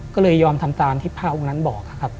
ก็เลยยอมทำตามที่พระองค์นั้นบอกนะครับ